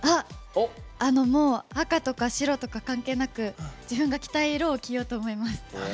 赤とか白とか関係なく自分が着たい色を着ようと思います。